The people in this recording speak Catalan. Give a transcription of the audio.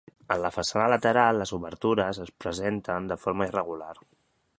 En la façana lateral, les obertures es presenten de forma irregular.